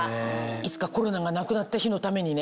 いつかコロナがなくなった日のためにね。